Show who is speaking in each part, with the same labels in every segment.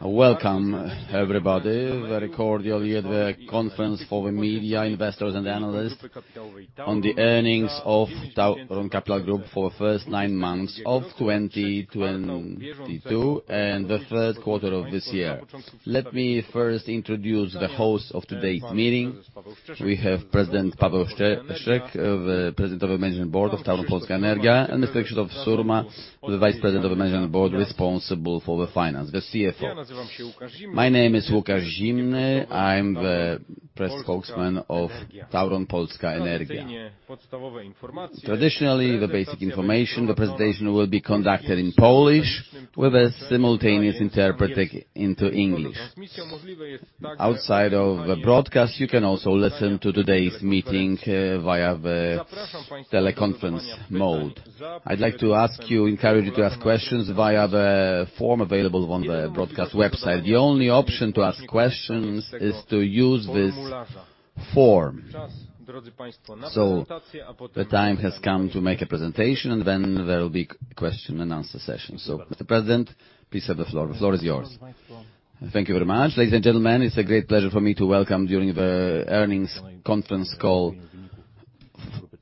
Speaker 1: Welcome, everybody, very cordially at the conference for the media, investors, and analysts on the earnings of TAURON Capital Group for the nine months of 2022, and the Q3 of this year. Let me first introduce the host of today's meeting. We have President Paweł Szczeszek, the President of the Management Board of TAURON Polska Energia, and Mr. Krzysztof Surma, the Vice President of the Management Board responsible for the finance, the CFO. My name is Łukasz Zimnoch. I'm the press spokesman of TAURON Polska Energia. Traditionally, the basic information, the presentation will be conducted in Polish with a simultaneous interpreting into English. Outside of the broadcast, you can also listen to today's meeting via the teleconference mode. I'd like to ask you, encourage you to ask questions via the form available on the broadcast website. The only option to ask questions is to use this form. The time has come to make a presentation, and then there will be question and answer session. Mr. President, please have the floor. The floor is yours.
Speaker 2: Thank you very much. Ladies and gentlemen, it's a great pleasure for me to welcome during the earnings conference call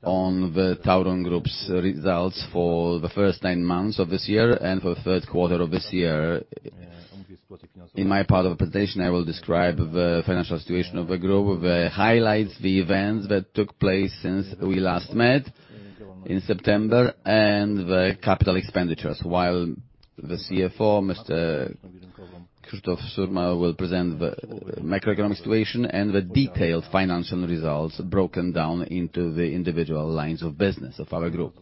Speaker 2: on the TAURON Group's results for the first nine months of this year and for the Q3 of this year. In my part of the presentation, I will describe the financial situation of the group, the highlights, the events that took place since we last met in September, and the capital expenditures. While the CFO, Mr. Krzysztof Surma, will present the macroeconomic situation and the detailed financial results broken down into the individual lines of business of our group.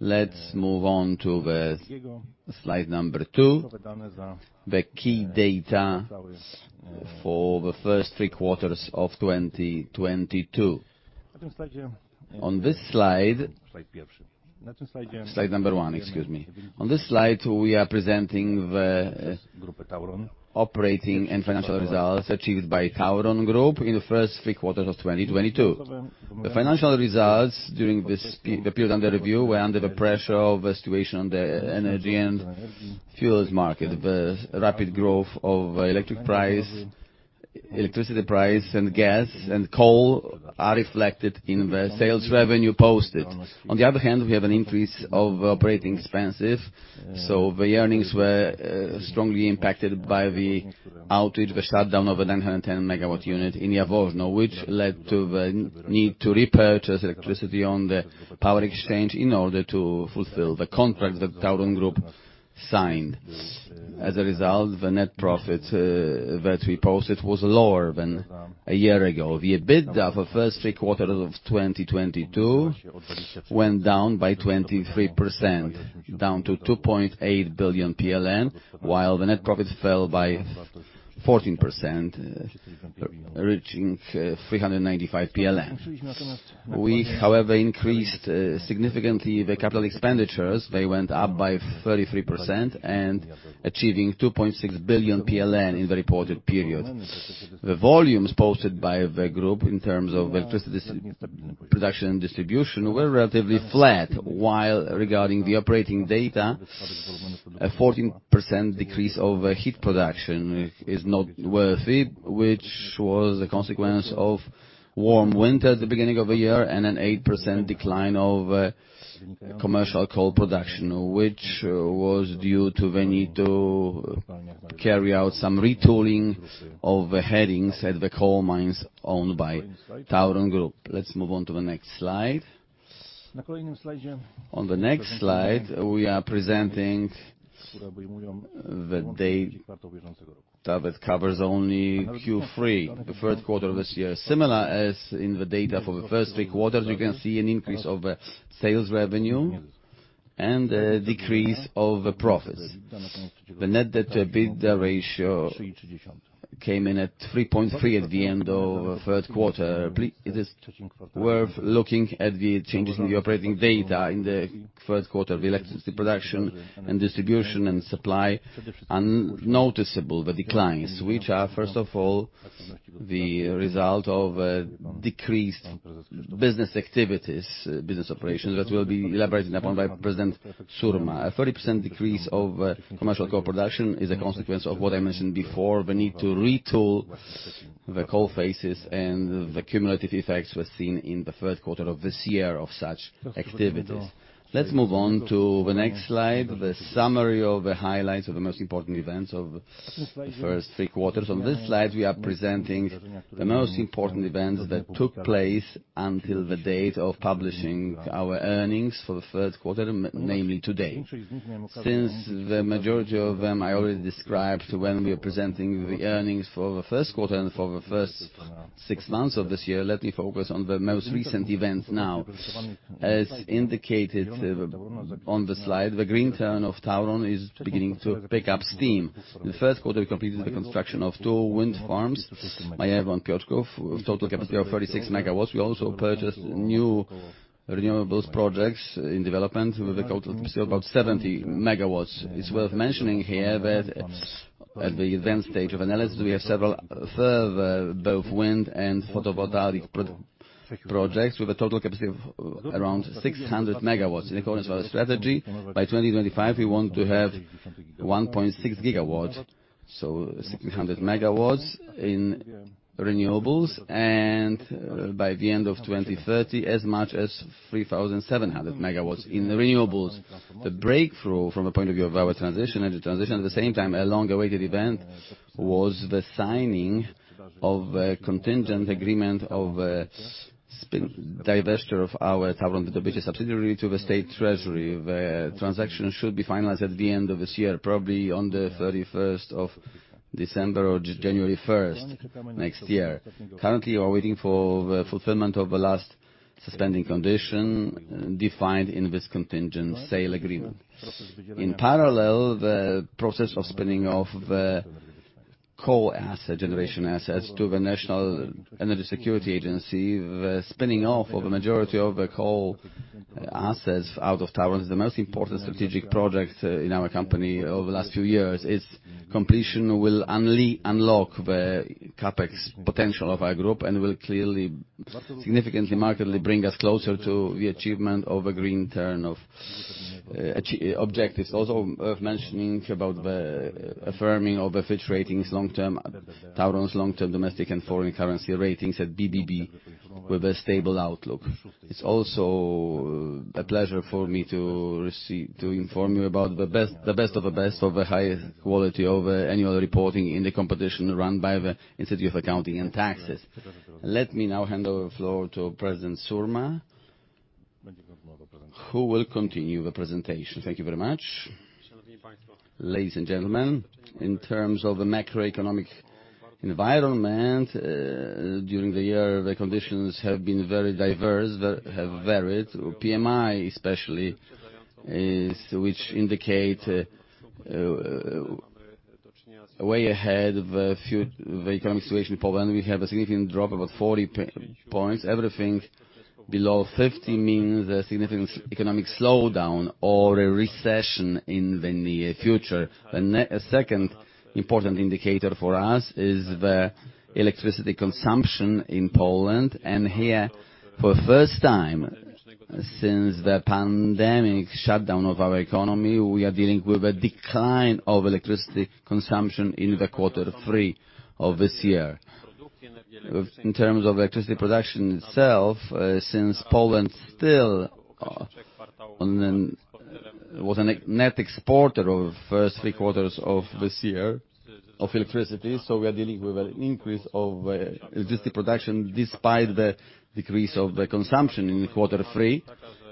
Speaker 2: Let's move on to the Slide number two, the key data for the three quarters of 2022. Slide number one, excuse me. On this slide, we are presenting the operating and financial results achieved by TAURON Group in the three quarters of 2022. The financial results during this period under review were under the pressure of a situation on the energy and fuels market. The rapid growth of electricity price, gas and coal are reflected in the sales revenue posted. On the other hand, we have an increase of operating expenses, so the earnings were strongly impacted by the outage, the shutdown of a 910 megawatt unit in Nowe Jaworzno, which led to the need to repurchase electricity on the power exchange in order to fulfill the contract that TAURON Group signed. The net profit that we posted was lower than a year ago. The EBITDA for first three quarters of 2022 went down by 23%, down to 2.8 billion PLN, while the net profit fell by 14%, reaching 395. We, however, increased significantly the capital expenditures. They went up by 33% and achieving 2.6 billion PLN in the reported period. The volumes posted by the group in terms of electricity production and distribution were relatively flat, while regarding the operating data, a 14% decrease over heat production is not worth it, which was a consequence of warm winter at the beginning of the year and an 8% decline of commercial coal production, which was due to the need to carry out some retooling of the headings at the coal mines owned by TAURON Group. Let's move on to the next slide. On the next slide, we are presenting the data that covers only Q3, the Q1 of this year. Similar as in the data for the first three quarters, you can see an increase of sales revenue and a decrease of the profits. The net debt to EBITDA ratio came in at 3.3 at the end of the Q3. It is worth looking at the changes in the operating data in the Q1 of electricity production and distribution and supply. Unnoticeable, the declines, which are, first of all, the result of decreased business activities, business operations that will be elaborated upon by President Surma. A 30% decrease of commercial coal production is a consequence of what I mentioned before, the need to retool the coal phases and the cumulative effects were seen in the Q1 of this year of such activities. Let's move on to the next slide, the summary of the highlights of the most important events of the first three quarters. On this slide, we are presenting the most important events that took place until the date of publishing our earnings for the Q3, namely today. Since the majority of them I already described when we were presenting the earnings for the Q1 and for the first six months of this year, let me focus on the most recent events now. Indicated on the slide, the green turn of TAURON is beginning to pick up steam. The Q1, we completed the construction of two wind farms, Majewo and Piotrków, with total capacity of 36 MW. We also purchased new renewables projects in development with a total capacity of about 70 MW. It's worth mentioning here that at the advanced stage of analysis, we have several further both wind and photovoltaic Projects with a total capacity of around 600 MW. In accordance with our strategy, by 2025, we want to have 1.6 GW, so 600 MW in renewables, and by the end of 2030 as much as 3,700 MW in renewables. The breakthrough from a point of view of our transition, energy transition, at the same time, a long-awaited event was the signing of a contingent agreement of divesture of our TAURON Dystrybucja subsidiary to the State Treasury. The transaction should be finalized at the end of this year, probably on the 31st of December or January 1st next year. Currently, we are waiting for the fulfillment of the last suspending condition defined in this contingent sale agreement. In parallel, the process of spinning off the coal asset, generation assets, to the National Energy Security Agency. The spinning off of the majority of the coal assets out of TAURON is the most important strategic project in our company over the last few years. Its completion will unlock the CapEx potential of our group and will clearly, significantly, markedly bring us closer to the achievement of a green turn of objectives. Worth mentioning about the affirming of the Fitch Ratings long-term, TAURON's long-term domestic and foreign currency ratings at BBB with a stable outlook. It's also a pleasure for me to inform you about the best, the best of the best of the high quality of annual reporting in the competition run by the Institute of Accounting and Taxes. Let me now hand over the floor to President Surma, who will continue the presentation. Thank you very much.
Speaker 3: Ladies and gentlemen, in terms of the macroeconomic environment, during the year, the conditions have been very diverse, have varied. PMI especially is, which indicate, way ahead of the economic situation in Poland, we have a significant drop, about 40 points. Everything below 50 means a significant economic slowdown or a recession in the near future. The second important indicator for us is the electricity consumption in Poland. Here, for the first time since the pandemic shutdown of our economy, we are dealing with a decline of electricity consumption in the quarter three of this year. In terms of electricity production itself, since Poland still was a net exporter of first three quarters of this year of electricity, we are dealing with an increase of electricity production despite the decrease of the consumption in Q3.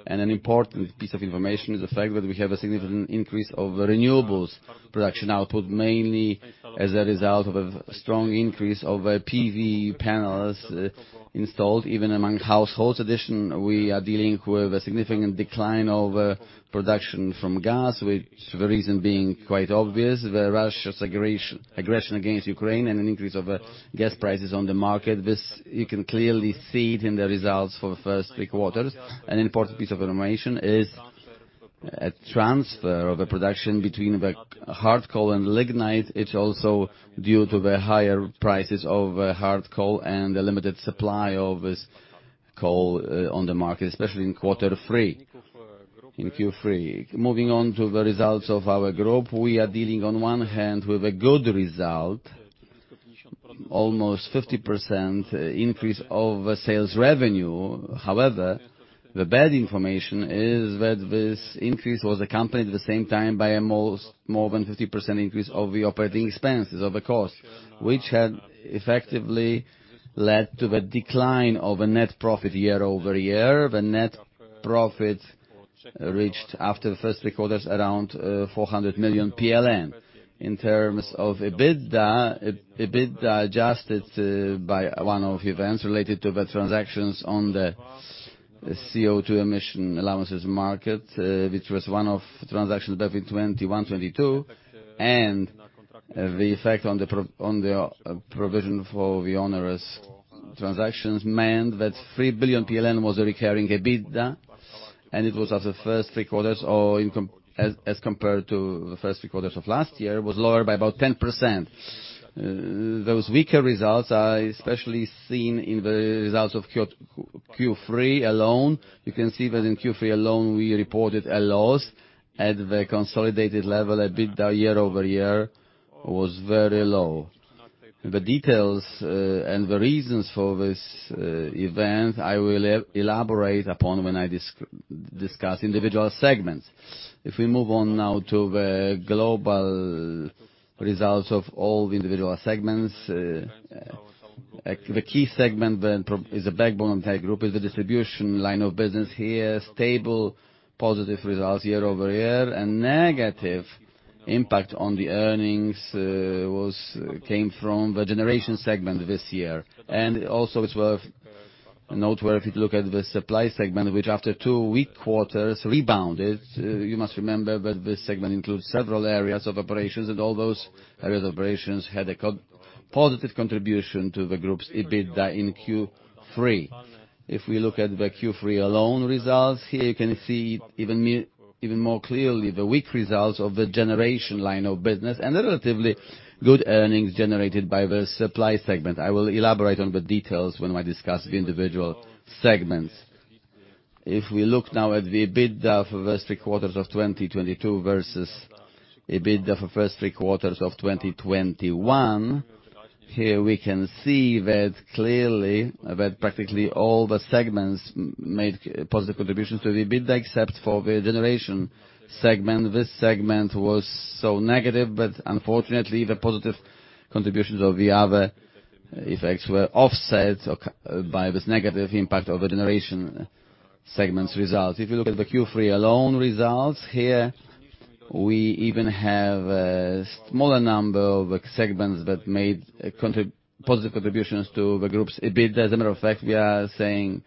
Speaker 3: An important piece of information is the fact that we have a significant increase of renewables production output, mainly as a result of a strong increase of PV panels installed, even among households. Addition, we are dealing with a significant decline of production from gas, which the reason being quite obvious, the Russia's aggression against Ukraine and an increase of gas prices on the market. This, you can clearly see it in the results for the first three quarters. An important piece of information is a transfer of the production between the hard coal and lignite. It's also due to the higher prices of hard coal and the limited supply of this coal on the market, especially in Q3, in Q3. Moving on to the results of our group, we are dealing on one hand with a good result, almost 50% increase of sales revenue. The bad information is that this increase was accompanied at the same time by more than 50% increase of the operating expenses, of the cost, which had effectively led to the decline of a net profit year-over-year. The net profit reached after the first three quarters around 400 million PLN. In terms of EBITDA adjusted by one-off events related to the CO2 emission allowances market, which was one of the transactions back in 2021, 2022, and the effect on the provision for the onerous transactions meant that 3 billion PLN was recurring EBITDA, and it was at the first three quarters, or as compared to the first three quarters of last year, was lower by about 10%. Those weaker results are especially seen in the results of Q3 alone. You can see that in Q3 alone, we reported a loss. At the consolidated level, EBITDA year-over-year was very low. The details and the reasons for this event, I will elaborate upon when I discuss individual segments. If we move on now to the global results of all the individual segments, the key segment is the backbone of the group is the distribution line of business here, stable positive results year-over-year. A negative impact on the earnings came from the generation segment this year. Also, it's worth, noteworthy to look at the supply segment, which after two weak quarters rebounded. You must remember that this segment includes several areas of operations, and all those areas of operations had a positive contribution to the group's EBITDA in Q3. If we look at the Q3 alone results, here you can see even more clearly the weak results of the generation line of business and the relatively good earnings generated by the supply segment. I will elaborate on the details when I discuss the individual segments. If we look now at the EBITDA for the first three quarters of 2022 versus EBITDA for first three quarters of 2021, here we can see that clearly that practically all the segments made positive contributions to EBITDA except for the generation segment. This segment was so negative, unfortunately, the positive contributions of the other effects were offset by this negative impact of the generation segment's results. If you look at the Q3 alone results here, we even have a smaller number of segments that made positive contributions to the group's EBITDA. As a matter of fact, we are saying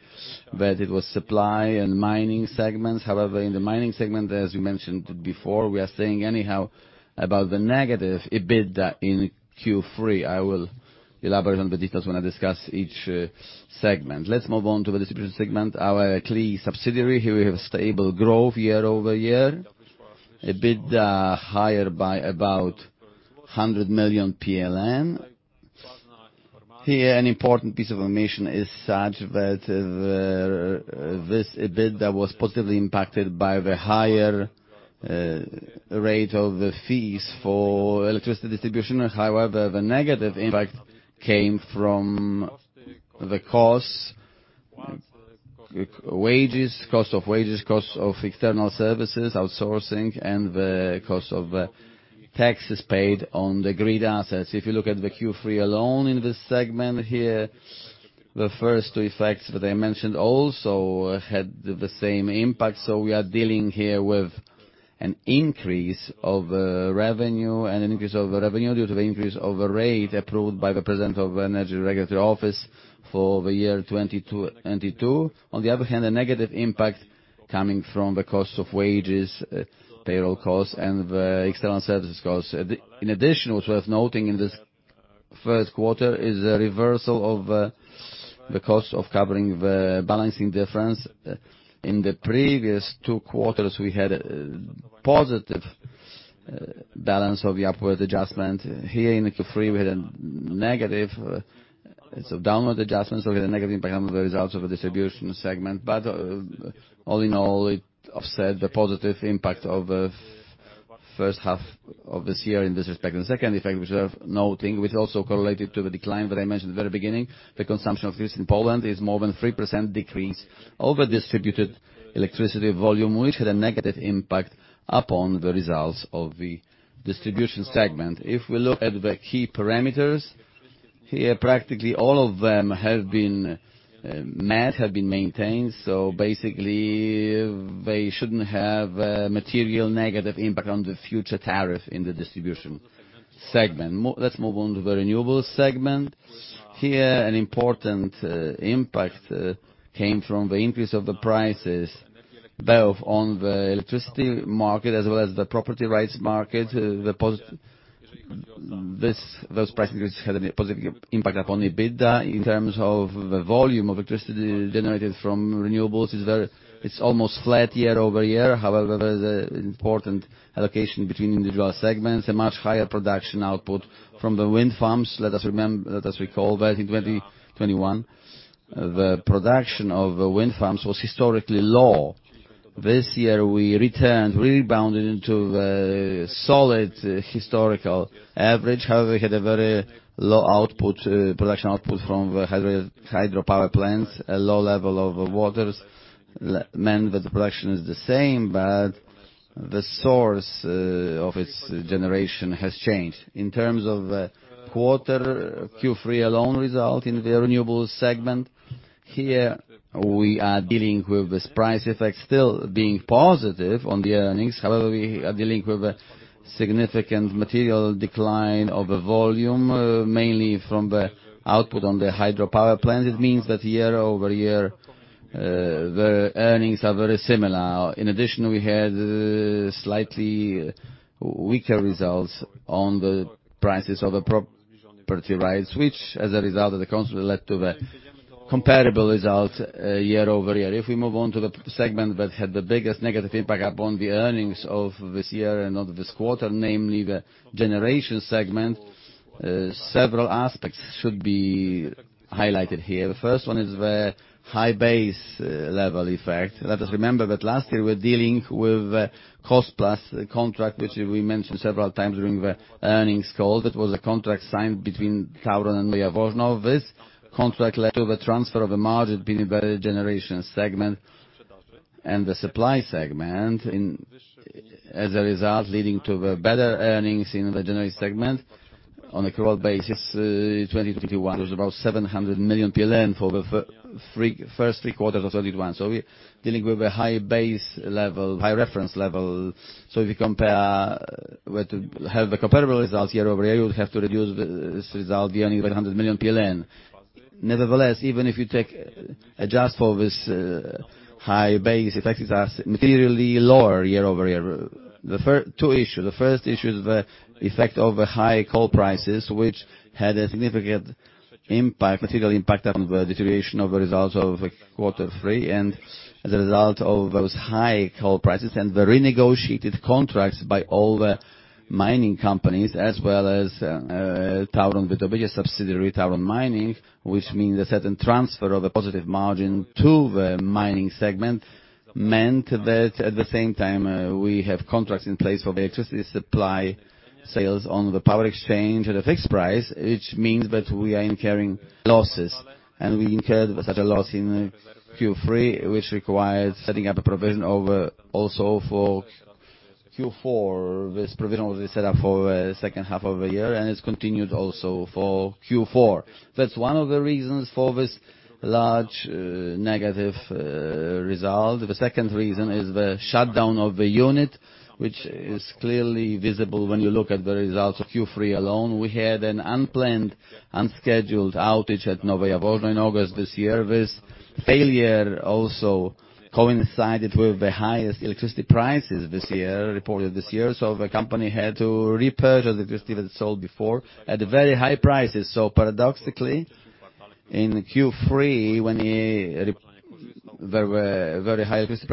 Speaker 3: that it was supply and mining segments. In the mining segment, as you mentioned before, we are saying anyhow about the negative EBITDA in Q3. I will elaborate on the details when I discuss each segment. Let's move on to the distribution segment. Our key subsidiary here, we have stable growth year-over-year. EBITDA higher by about 100 million PLN. Here, an important piece of information is such that the this EBITDA was positively impacted by the higher rate of the fees for electricity distribution. However, the negative impact came from the costs, wages, cost of wages, cost of external services, outsourcing, and the cost of taxes paid on the grid assets. If you look at the Q3 alone in this segment here, the first two effects that I mentioned also had the same impact. We are dealing here with an increase of revenue and an increase of revenue due to the increase of the rate approved by the President of the Energy Regulatory Office for the year 2020-2022. On the other hand, a negative impact coming from the cost of wages, payroll costs, and the external services costs. In addition, worth noting in this Q1 is a reversal of the cost of covering the balancing difference. In the previous two quarters, we had positive balance of the upward adjustment. Here in Q3, we had a negative. It's a downward adjustment, we had a negative impact on the results of the distribution segment. All in all, it offset the positive impact of the first half of this year in this respect. Second, if I deserve noting, which also correlated to the decline that I mentioned at the very beginning, the consumption of this in Poland is more than 3% decrease over distributed electricity volume, which had a negative impact upon the results of the distribution segment. If we look at the key parameters, here, practically all of them have been met, have been maintained. Basically, they shouldn't have material negative impact on the future tariff in the distribution segment. Let's move on to the renewable segment. Here, an important impact came from the increase of the prices, both on the electricity market as well as the property rights market. Those price increases had a positive impact upon EBITDA in terms of the volume of electricity generated from renewables. It's almost flat year-over-year. There's an important allocation between individual segments, a much higher production output from the wind farms. Let us recall that in 2021, the production of wind farms was historically low. This year, we returned, we rebounded into the solid historical average. We had a very low output, production output from the hydropower plants. A low level of waters meant that the production is the same, but the source of its generation has changed. In terms of Q3 alone result in the renewables segment, here we are dealing with this price effect still being positive on the earnings. We are dealing with a significant material decline of the volume, mainly from the output on the hydropower plant. It means that year-over-year, the earnings are very similar. In addition, we had slightly weaker results on the prices of the pro-property rights, which as a result of the cost, will lead to the comparable results year-over-year. If we move on to the segment that had the biggest negative impact upon the earnings of this year and of this quarter, namely the generation segment, several aspects should be highlighted here. The first one is the high base level effect. Let us remember that last year, we're dealing with a cost-plus contract, which we mentioned several times during the earnings call. That was a contract signed between TAURON and Jaworzno. This contract led to the transfer of a margin between the generation segment and the supply segment as a result, leading to the better earnings in the generation segment. On an accrual basis, 2021, there's about 700 million PLN for the first three quarters of 2021. We're dealing with a high base level, high reference level. If you compare, have the comparable results year-over-year, you would have to reduce this result, the earnings by 100 million PLN. Nevertheless, even if you adjust for this high base effect, it has materially lower year-over-year. Two issues. The first issue is the effect of high coal prices, which had a significant impact, material impact on the deterioration of the results of quarter 3. As a result of those high coal prices and the renegotiated contracts by all the mining companies as well as Tauron Wydobycie subsidiary, Tauron Mining, which means a certain transfer of a positive margin to the mining segment, meant that at the same time, we have contracts in place of electricity supply sales on the power exchange at a fixed price, which means that we are incurring losses. We incurred such a loss in Q3, which requires setting up a provision also for Q4. This provision was set up for second half of the year, and it's continued also for Q4. That's one of the reasons for this large, negative, result. The second reason is the shutdown of the unit, which is clearly visible when you look at the results of Q3 alone. We had an unplanned, unscheduled outage at Nowe Jaworzno in August this year. This failure also coincided with the highest electricity prices this year, reported this year. The company had to repurchase electricity that it sold before at very high prices. Paradoxically, in Q3, when there were very high electricity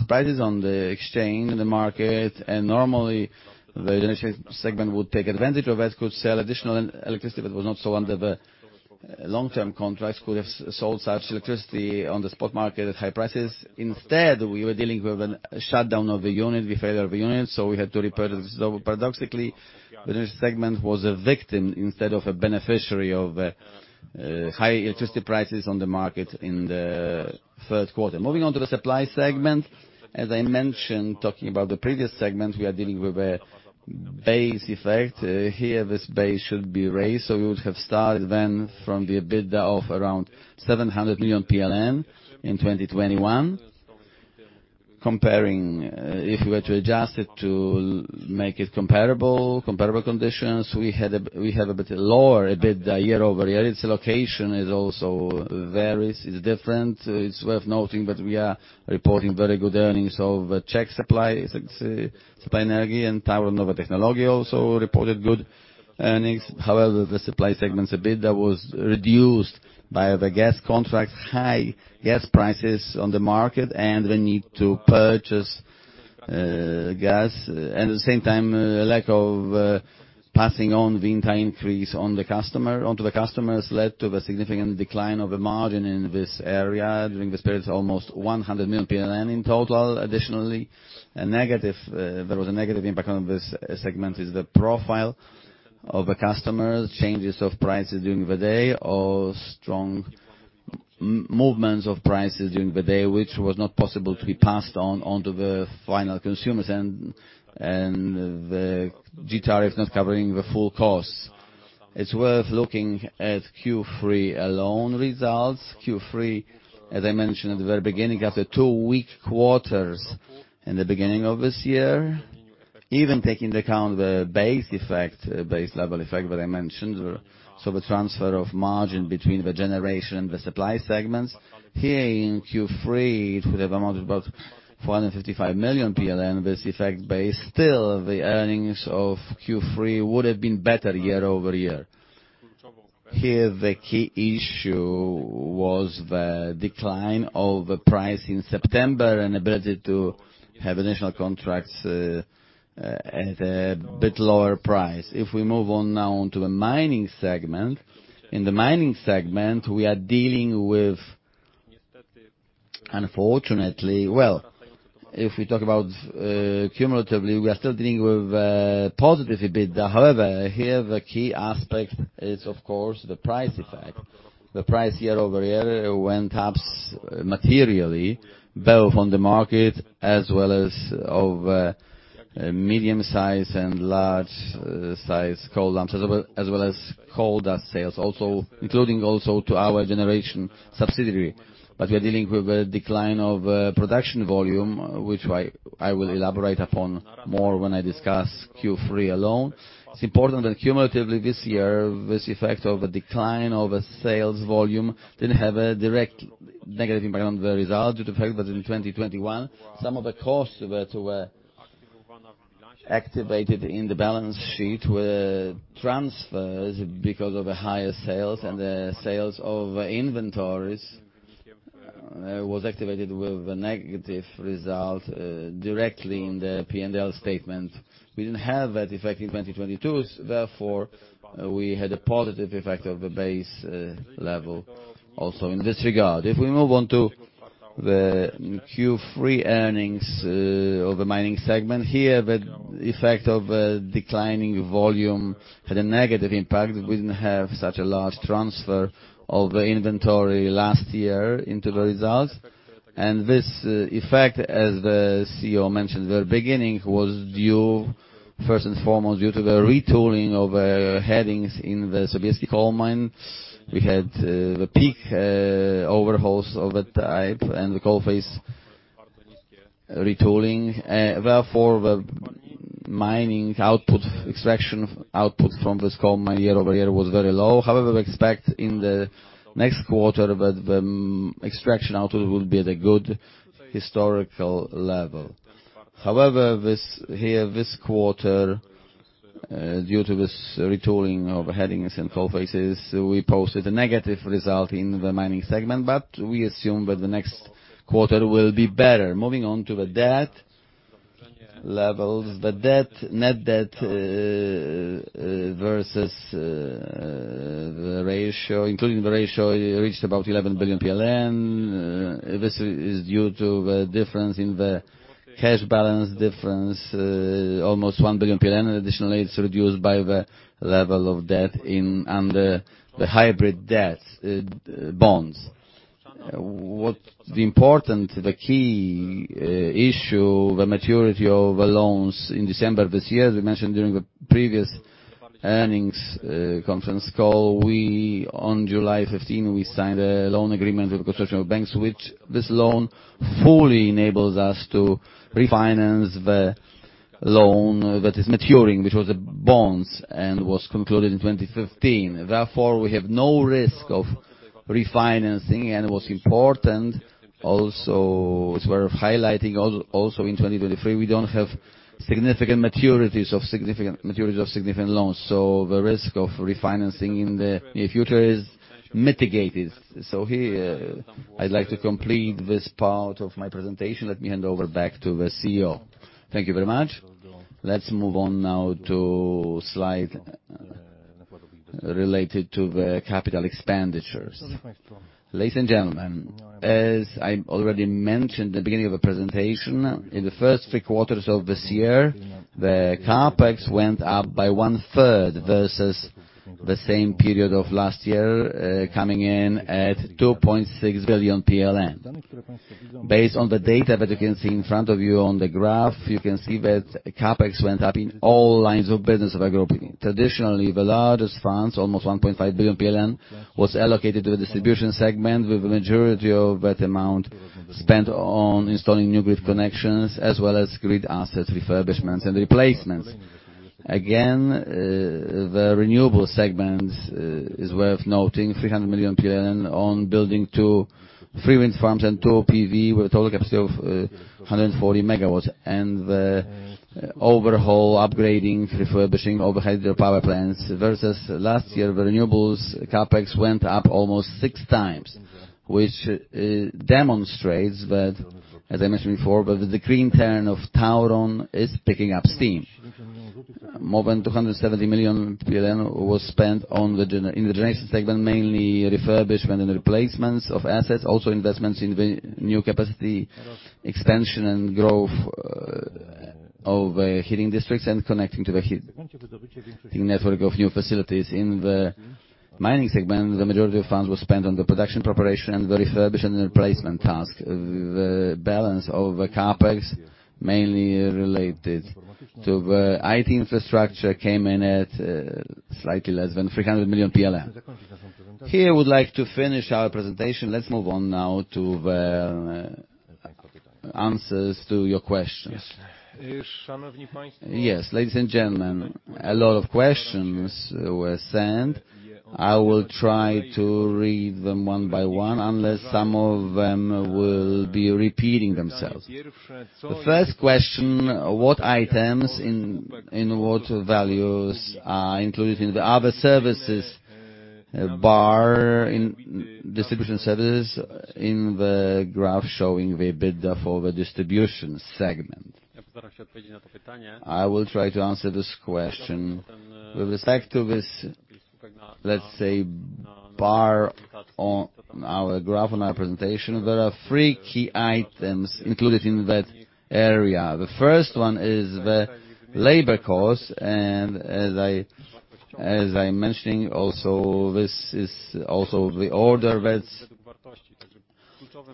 Speaker 3: prices on the exchange in the market, normally the generation segment would take advantage of it, could sell additional electricity, was not so under the long-term contracts, could have sold such electricity on the spot market at high prices. Instead, we were dealing with a shutdown of the unit, the failure of the unit, we had to repurchase. Paradoxically, the generation segment was a victim instead of a beneficiary of high electricity prices on the market in the 1st quarter. Moving on to the supply segment, as I mentioned, talking about the previous segment, we are dealing with a base effect. Here, this base should be raised. We would have started then from the EBITDA of around 700 million PLN in 2021. Comparing, if we were to adjust it to make it comparable conditions, we had a bit lower EBITDA year-over-year. Its location is also varies. It's different. It's worth noting that we are reporting very good earnings of the Czech Supply, supply energy and TAURON Nowe Technologie also reported good earnings. The supply segment's EBITDA was reduced by the gas contract, high gas prices on the market, and the need to purchase gas. At the same time, a lack of passing on the entire increase onto the customers led to the significant decline of the margin in this area. During this period, it's almost 100 million in total. Additionally, a negative there was a negative impact on this segment is the profile of the customers, changes of prices during the day, or strong movements of prices during the day, which was not possible to be passed on, onto the final consumers and the G-tariff not covering the full costs. It's worth looking at Q3 alone results. Q3, as I mentioned at the very beginning, after two weak quarters in the beginning of this year, even taking into account the base effect, base level effect that I mentioned, so the transfer of margin between the generation and the supply segments. Here in Q3, it would have amounted to about 455 million PLN, this effect base. The earnings of Q3 would have been better year-over-year. Here, the key issue was the decline of the price in September and ability to have additional contracts at a bit lower price. If we move on now onto the mining segment, in the mining segment, we are dealing with, unfortunately... Well, if we talk about cumulatively, we are still dealing with positive EBITDA. However, here the key aspect is, of course, the price effect. The price year-over-year went up materially, both on the market as well as of medium-size and large size coal launches, as well, as well as coal dust sales, including also to our generation subsidiary. We are dealing with a decline of production volume, which I will elaborate upon more when I discuss Q3 alone. It's important that cumulatively this year, this effect of a decline of a sales volume didn't have a direct negative impact on the result due to the fact that in 2021, some of the costs were to activated in the balance sheet were transfers because of the higher sales, and the sales of inventories was activated with a negative result directly in the P&L statement. We didn't have that effect in 2022. We had a positive effect of the base level also in this regard. We move on to the Q3 earnings of the mining segment, here the effect of declining volume had a negative impact. We didn't have such a large transfer of inventory last year into the results. This effect, as the CEO mentioned at the beginning, was due, first and foremost, due to the retooling of headings in the Sobieski coal mine. We had the peak overhauls of that type, and the coal face retooling. Therefore, the mining output, extraction output from this coal mine year over year was very low. We expect in the next quarter that the extraction output will be at a good historical level. This here, this quarter, due to this retooling of headings and coal faces, we posted a negative result in the mining segment, but we assume that the next quarter will be better. Moving on to the debt levels. The debt, net debt, versus the ratio, including the ratio, it reached about 11 billion PLN. This is due to the difference in the cash balance difference, almost 1 billion PLN. Additionally, it's reduced by the level of debt and the hybrid debt bonds. What's important, the key issue, the maturity of the loans in December this year, as we mentioned during the previous earnings conference call, on July 15, we signed a loan agreement with the Consortium of Banks, which this loan fully enables us to refinance the loan that is maturing, which was the bonds and was concluded in 2015. We have no risk of refinancing, and what's important also is worth highlighting, also in 2023, we don't have significant maturities of significant loans. The risk of refinancing in the near future is mitigated. Here, I'd like to complete this part of my presentation. Let me hand over back to the CEO.
Speaker 2: Thank you very much. Let's move on now to slide related to the capital expenditures. Ladies and gentlemen, as I already mentioned at the beginning of the presentation, in the first 3 quarters of this year, the CapEx went up by one-third versus the same period of last year, coming in at 2.6 billion PLN. Based on the data that you can see in front of you on the graph, you can see that CapEx went up in all lines of business of our group. Traditionally, the largest funds, almost 1.5 billion PLN, was allocated to the distribution segment, with the majority of that amount spent on installing new grid connections as well as grid asset refurbishments and replacements. The renewable segment is worth noting, 300 million PLN on building 2 3 wind farms and 2 PV with a total capacity of 140 megawatts and the overhaul, upgrading, refurbishing of hydropower plants versus last year, the renewables CapEx went up almost 6 times, which demonstrates that, as I mentioned before, that the green turn of TAURON is picking up steam. More than 270 million PLN was spent in the generation segment, mainly refurbishment and replacements of assets, also investments in the new capacity expansion and growth of the heating districts and connecting to the heat network of new facilities. In the mining segment, the majority of funds were spent on the production preparation and the refurbishment and replacement task. The balance of the CapEx, mainly related to the IT infrastructure, came in at slightly less than 300 million. Here, I would like to finish our presentation. Let's move on now to the answers to your questions. Ladies and gentlemen, a lot of questions were sent. I will try to read them one by one, unless some of them will be repeating themselves. The first question, what items in what values are included in the other services bar in distribution services in the graph showing the EBITDA for the distribution segment? I will try to answer this question. With respect to this, let's say, bar on our graph, on our presentation, there are three key items included in that area. The first one is the labor cost, as I'm mentioning also, this is also the order that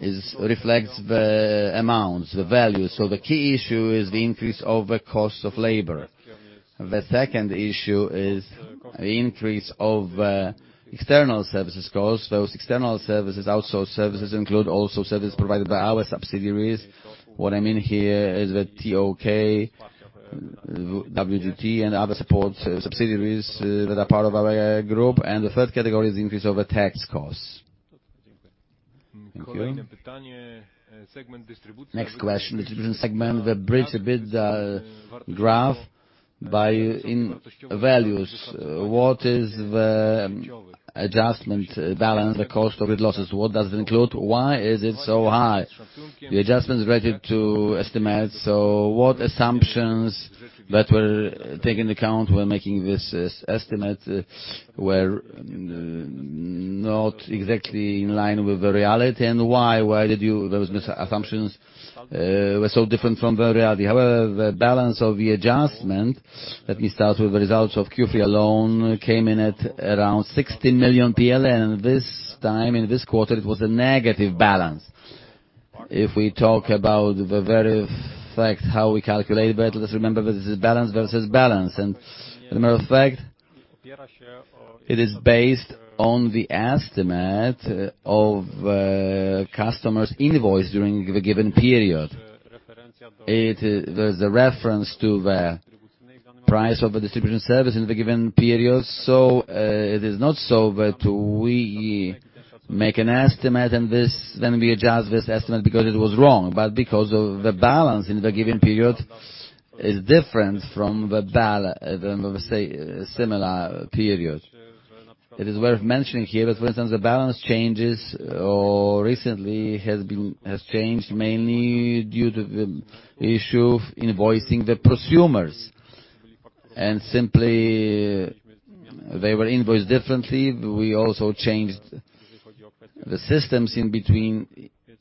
Speaker 2: is reflects the amounts, the value. The key issue is the increase of the cost of labor. The second issue is the increase of external services cost. Those external services, outsourced services, include also services provided by our subsidiaries. What I mean here is the TOK, WDT, and other support subsidiaries that are part of our Group. The third category is the increase of the tax costs. Thank you. Next question, the distribution segment, the bridge EBITDA graph by in values. What is the adjustment balance, the cost of grid losses? What does it include? Why is it so high? The adjustment is related to estimates. What assumptions that were taken account when making this estimate were not exactly in line with the reality, and why? Why did those misassumptions were so different from the reality? However, the balance of the adjustment, let me start with the results of Q3 alone, came in at around 16 million PLN, and this time, in this quarter, it was a negative balance. If we talk about the very fact how we calculate that, let's remember that this is balance versus balance. It is based on the estimate of customers' invoice during the given period. There's a reference to the price of a distribution service in the given period. it is not so that we make an estimate then we adjust this estimate because it was wrong, but because of the balance in the given period is different from the, say, similar period. It is worth mentioning here, for instance, the balance changes or recently has changed mainly due to the issue of invoicing the prosumers. Simply, they were invoiced differently. We also changed the systems in between,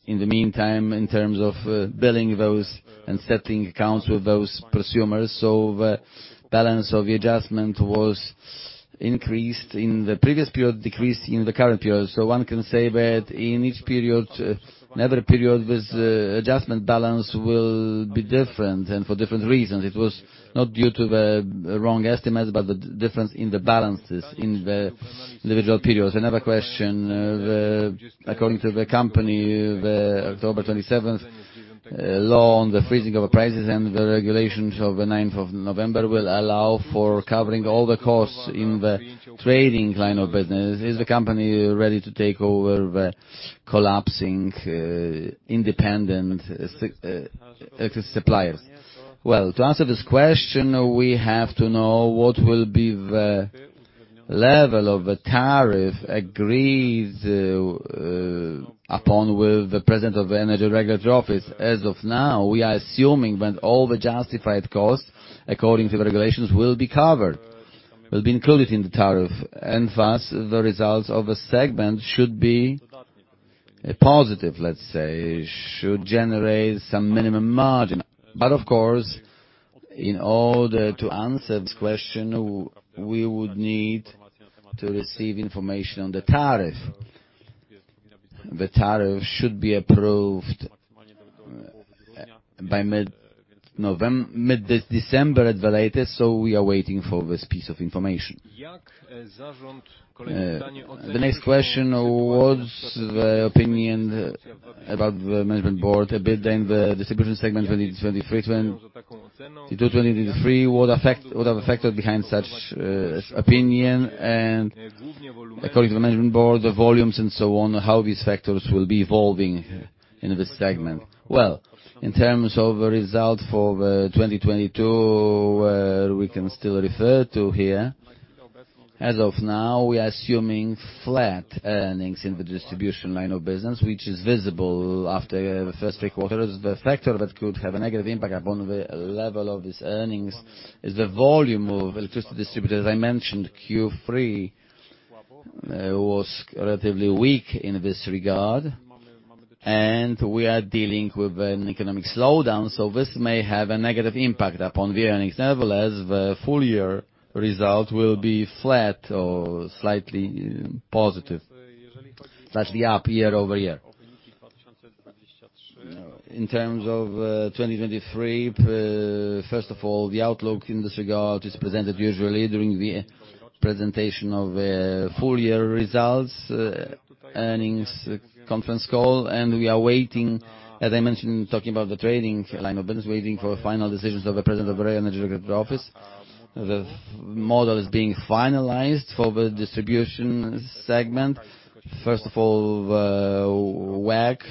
Speaker 2: in the meantime, in terms of billing those and settling accounts with those prosumers. The balance of the adjustment was increased in the previous period, decreased in the current period. One can say that in each period, another period with adjustment balance will be different and for different reasons. It was not due to the wrong estimates, but the difference in the balances in the individual periods. Another question. According to the company, the October 27th law on the freezing of prices and the regulations of the 9th of November will allow for covering all the costs in the trading line of business. Is the company ready to take over the collapsing independent suppliers? Well, to answer this question, we have to know what will be the level of the tariff agreed upon with the President of Energy Regulatory Office. As of now, we are assuming that all the justified costs, according to the regulations, will be covered, will be included in the tariff. Thus, the results of a segment should be positive, let's say, should generate some minimum margin. Of course, in order to answer this question, we would need to receive information on the tariff. The tariff should be approved by mid-December at the latest, we are waiting for this piece of information. The next question, what's the opinion about the management board a bit than the distribution segment 2023, what are the factors behind such opinion and according to management board, the volumes and so on, how these factors will be evolving in this segment? In terms of the result for 2022, we can still refer to here. As of now, we are assuming flat earnings in the distribution line of business, which is visible after the first three quarters. The factor that could have a negative impact upon the level of these earnings is the volume of electricity distributed. As I mentioned, Q3 was relatively weak in this regard, and we are dealing with an economic slowdown, so this may have a negative impact upon the earnings. Nevertheless, the full-year result will be flat or slightly positive. Slightly up year-over-year. In terms of 2023, first of all, the outlook in this regard is presented usually during the presentation of full-year results, earnings conference call. We are waiting, as I mentioned, talking about the trading line of business, waiting for final decisions of the President of Energy Regulatory Office. The model is being finalized for the distribution segment. First of all, WACC,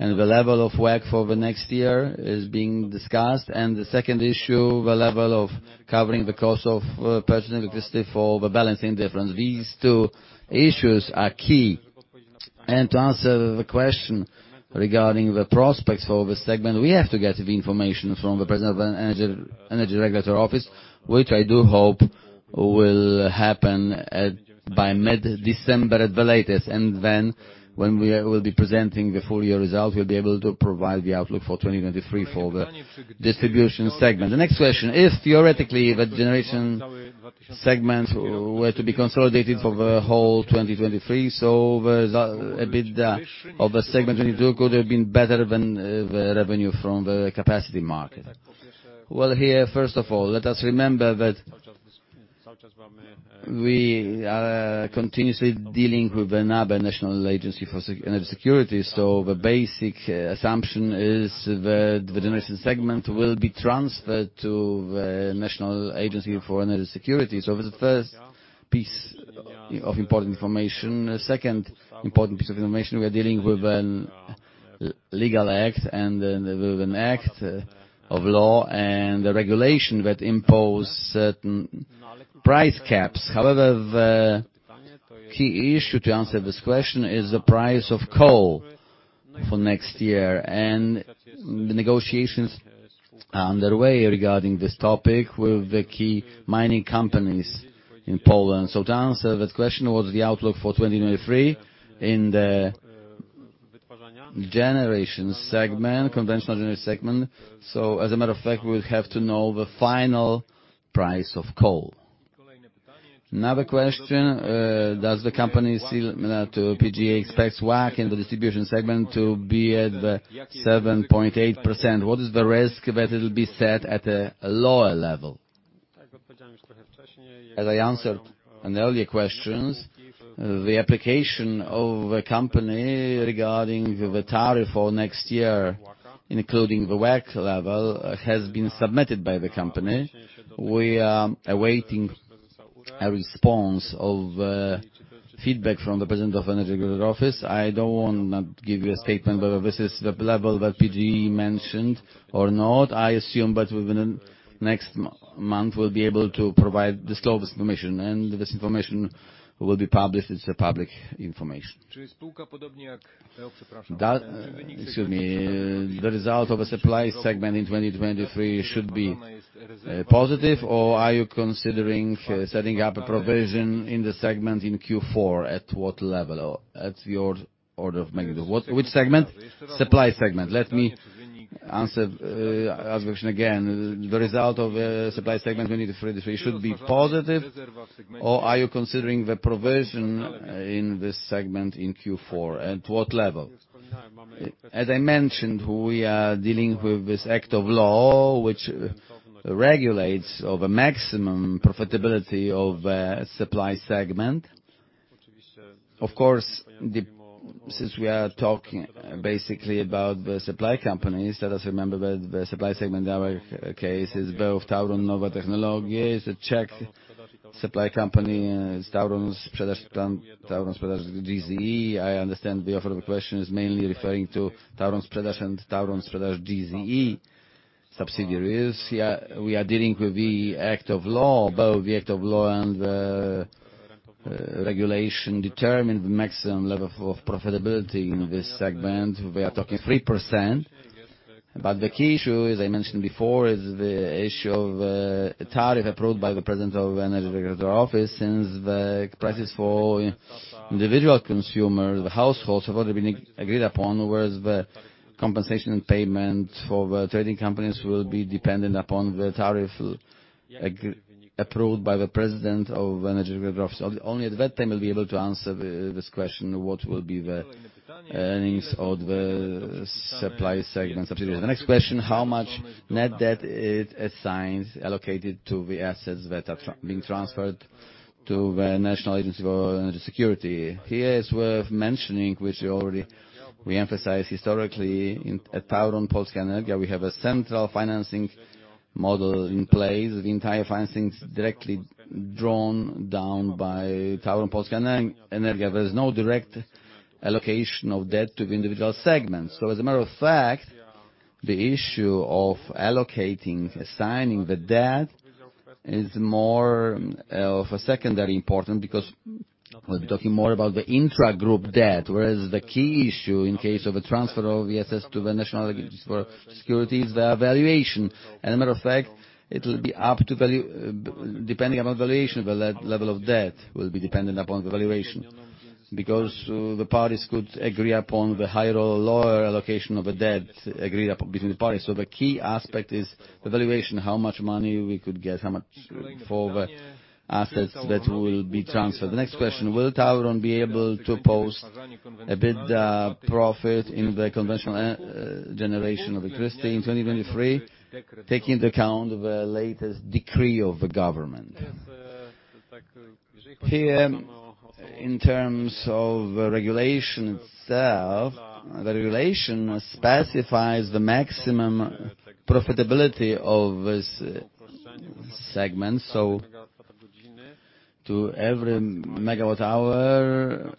Speaker 2: and the level of WACC for the next year is being discussed. The second issue, the level of covering the cost of purchasing electricity for the balancing difference. These two issues are key. To answer the question regarding the prospects for this segment, we have to get the information from the President of Energy Regulatory Office, which I do hope will happen by mid-December at the latest. When we will be presenting the full year results, we'll be able to provide the outlook for 2023 for the distribution segment. The next question, if theoretically, the generation segment were to be consolidated for the whole 2023, the resu-- a bit of the segment 22 could have been better than the revenue from the capacity market. First of all, let us remember that we are continuously dealing with another National Agency for Energy Security. The basic assumption is the generation segment will be transferred to the National Agency for Energy Security. That's the first piece of important information. The second important piece of information, we are dealing with an legal act and then with an act of law and the regulation that impose certain price caps. However, the key issue to answer this question is the price of coal for next year. The negotiations are underway regarding this topic with the key mining companies in Poland. To answer that question, what's the outlook for 2023 in the generation segment, conventional generation segment. As a matter of fact, we'll have to know the final price of coal. Another question, PGE expects WACC in the distribution segment to be at the 7.8%. What is the risk that it'll be set at a lower level? As I answered an earlier questions, the application of a company regarding the tariff for next year, including the WACC level, has been submitted by the company. We are awaiting a response of feedback from the President of Energy Regulatory Office. I don't want to give you a statement, whether this is the level that PGE mentioned or not. I assume that within next month, we'll be able to provide disclosure of this information, and this information will be published. It's a public information. Excuse me. The result of a supply segment in 2023 should be positive or are you considering setting up a provision in the segment in Q4 at what level? At your order of magnitude. Which segment? Supply segment. Let me answer the question again. The result of a supply segment we need to 3D should be positive, or are you considering the provision in this segment in Q4, at what level? As I mentioned, we are dealing with this act of law which regulates over maximum profitability of a supply segment. Of course, Since we are talking basically about the supply companies, let us remember that the supply segment in our case is both TAURON Nowe Technologie, the Czech supply company, and TAURON Sprzedaż GZE. I understand the author of the question is mainly referring to TAURON Sprzedaż and TAURON Sprzedaż GZE subsidiaries. We are dealing with the act of law. Both the act of law and regulation determine the maximum level of profitability in this segment. We are talking 3%, but the key issue, as I mentioned before, is the issue of tariff approved by the President of the Energy Regulatory Office since the prices for individual consumer, the households have already been agreed upon, whereas the compensation payment for the trading companies will be dependent upon the tariff approved by the President of the Energy Regulatory Office. Only at that time we'll be able to answer this question, what will be the earnings of the supply segment subsidiary? The next question, how much net debt is assigned, allocated to the assets that are being transferred to the National Agency for Energy Security? Here, it's worth mentioning, which we already emphasized historically, at TAURON Polska Energia, we have a central financing model in place. The entire financing is directly drawn down by TAURON Polska Energia. There is no direct allocation of debt to the individual segments. As a matter of fact, the issue of allocating, assigning the debt is more of a secondary important because we're talking more about the intra-group debt, whereas the key issue in case of a transfer of the assets to the National Agency for Security is their valuation. A matter of fact, it'll be up to value. Depending upon valuation, the level of debt will be dependent upon the valuation. The parties could agree upon the higher or lower allocation of a debt agreed between the parties. The key aspect is the valuation, how much money we could get, how much for the assets that will be transferred. The next question: Will TAURON be able to post a bit of profit in the conventional generation of electricity in 2023, taking into account the latest decree of the government? In terms of regulation itself, the regulation specifies the maximum profitability of this segment. To every megawatt hour,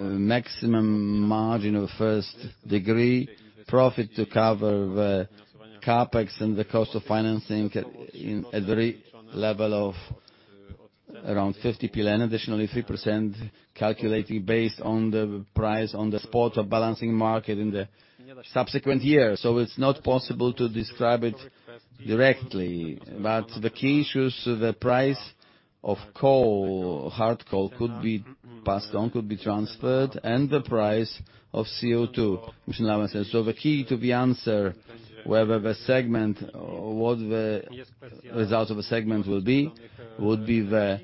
Speaker 2: maximum margin of first-degree profit to cover the CapEx and the cost of financing at the re-level of around 50 PLN, additionally 3% calculating based on the price on the spot of balancing market in the subsequent year. It's not possible to describe it directly, but the key issues, the price of coal, hard coal, could be passed on, could be transferred, and the price of CO2. The key to the answer whether the segment or what the result of a segment will be, would be the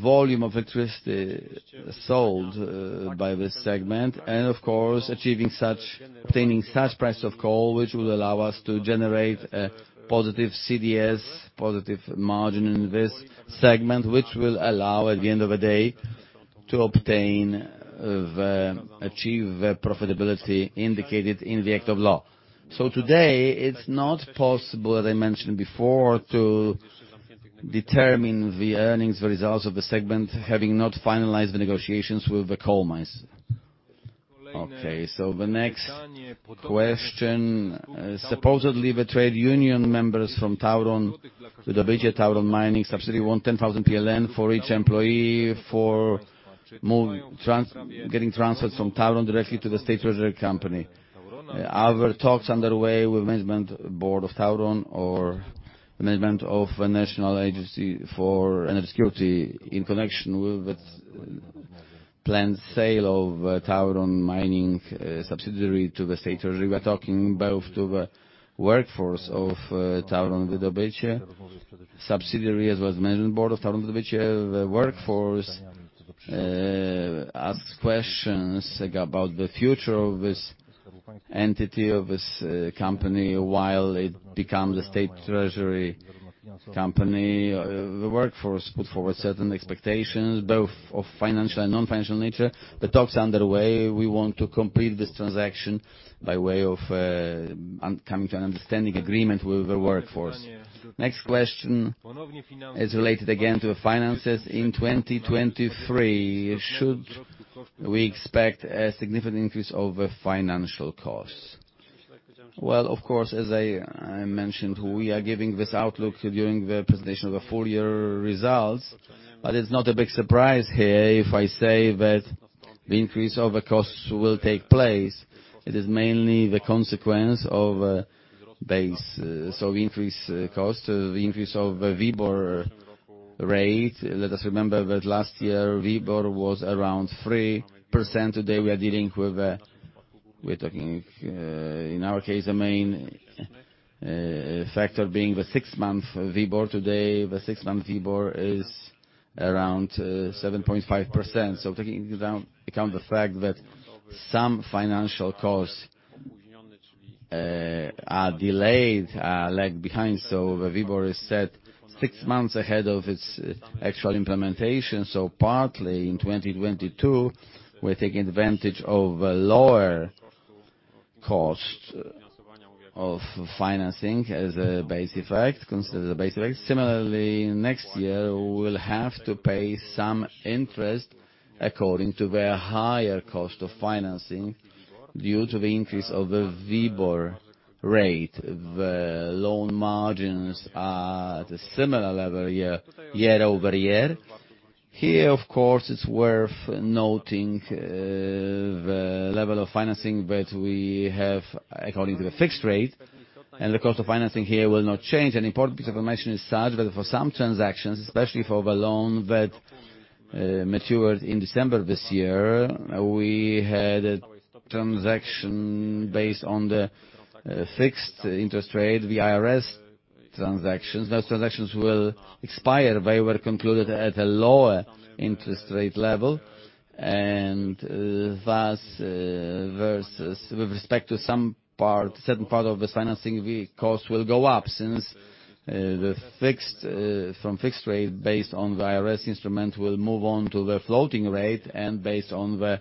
Speaker 2: volume of electricity sold by this segment and of course, obtaining such price of coal, which will allow us to generate a positive CDS, positive margin in this segment, which will allow, at the end of the day, to achieve the profitability indicated in the act of law. Today, it's not possible, as I mentioned before, to determine the earnings, the results of the segment, having not finalized the negotiations with the coal mines. The next question. Supposedly, the trade union members from Tauron Wydobycie, Tauron Mining subsidiary, want 10,000 PLN for each employee for getting transferred from Tauron directly to the State Treasury company. Are there talks underway with management board of TAURON or the management of the National Agency for Energy Security in connection with its planned sale of Tauron Mining subsidiary to the State Treasury? We're talking both to the workforce of Tauron Wydobycie subsidiary, as well as management board of Tauron Wydobycie. The workforce ask questions, like, about the future of this entity of this company, while it becomes the State Treasury company, the workforce put forward certain expectations, both of financial and non-financial nature. The talks are underway. We want to complete this transaction by way of coming to an understanding agreement with the workforce. Next question is related again to the finances in 2023. Should we expect a significant increase over financial costs? Of course, as I mentioned, we are giving this outlook during the presentation of the full year results, but it's not a big surprise here if I say that the increase of the costs will take place. It is mainly the consequence of a base. Increase cost, the increase of the WIBOR rate. Let us remember that last year, WIBOR was around 3%. Today, we are dealing with, we're talking, in our case, the main factor being the 6-month WIBOR. Today, the 6-month WIBOR is around 7.5%. Taking into account the fact that some financial costs are delayed, are lag behind. The WIBOR is set 6 months ahead of its actual implementation. Partly in 2022, we're taking advantage of a lower cost of financing as a base effect, considered a base effect. Similarly, next year, we'll have to pay some interest according to the higher cost of financing due to the increase of the WIBOR rate. The loan margins are at a similar level year-over-year. Here, of course, it's worth noting the level of financing that we have according to the fixed rate, and the cost of financing here will not change. An important piece of information is such that for some transactions, especially for the loan that matured in December this year, we had a transaction based on the fixed interest rate, the IRS transactions. Those transactions will expire. They were concluded at a lower interest rate level. Thus, with respect to some part, certain part of the financing cost will go up since the fixed from fixed rate based on the IRS instrument will move on to the floating rate and based on the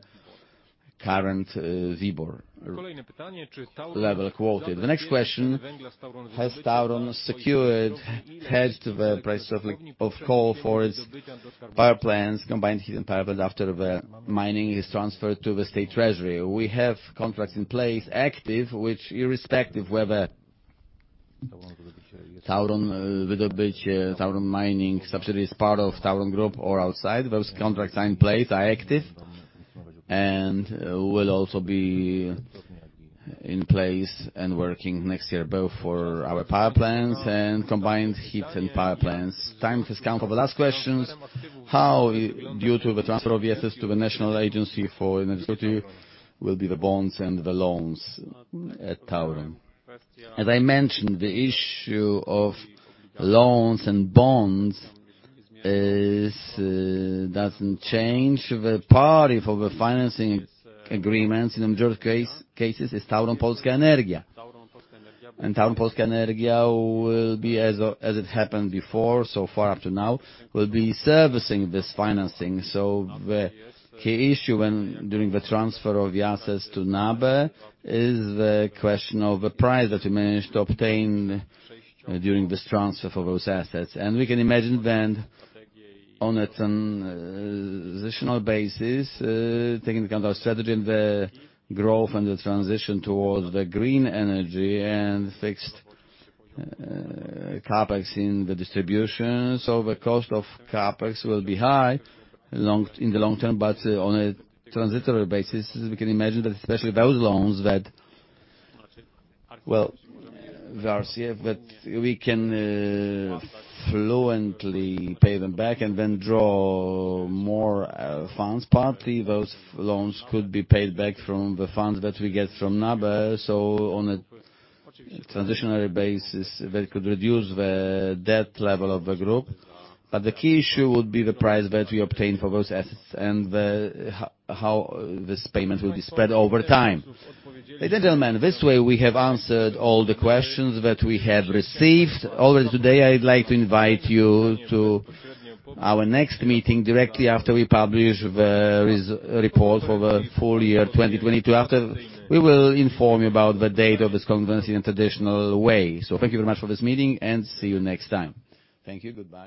Speaker 2: current WIBOR level quoted. The next question, has TAURON secured hedge the price of coal for its power plants, combined heat and power plant, after the mining is transferred to the State Treasury? We have contracts in place, active, which irrespective whether TAURON Mining subsidiary is part of TAURON Group or outside, those contracts are in place, are active, and will also be in place and working next year, both for our power plants and combined heat and power plants. Time has come for the last questions. How due to the transfer of assets to the National Agency for Energy will be the bonds and the loans at TAURON? As I mentioned, the issue of loans and bonds is doesn't change. The party for the financing agreements in the majority cases is TAURON Polska Energia. TAURON Polska Energia will be as it happened before, so far up to now, will be servicing this financing. The key issue when, during the transfer of the assets to NABE is the question of the price that we managed to obtain during this transfer for those assets. We can imagine then on a transitional basis, taking into account our strategy and the growth and the transition towards the green energy and fixed, CapEx in the distribution. The cost of CapEx will be high in the long term, but on a transitory basis, we can imagine that especially those loans that, well, the RCF, that we can fluently pay them back and then draw more funds. Partly, those loans could be paid back from the funds that we get from NABE. On a transitionary basis, that could reduce the debt level of the group. The key issue would be the price that we obtain for those assets and the how this payment will be spread over time. Ladies and gentlemen, this way we have answered all the questions that we have received. Already today, I'd like to invite you to our next meeting directly after we publish the report for the full year 2022. After, we will inform you about the date of this conference in a traditional way. Thank you very much for this meeting and see you next time.
Speaker 1: Thank you. Goodbye.